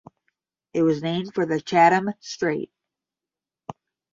It was named for the Chatham Strait.